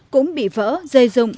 cũng bị vỡ rơi rụng